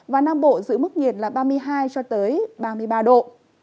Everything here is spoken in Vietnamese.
và nam bộ giữ mức nhiệt là ba mươi hai ba mươi ba độ